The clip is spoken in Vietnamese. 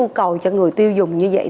các bố cầu cho người tiêu dùng như vậy